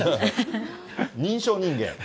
認証人間。